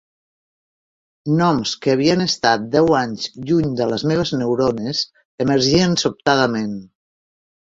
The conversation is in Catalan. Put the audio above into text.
Noms que havien estat deu anys lluny de les meves neurones emergien sobtadament.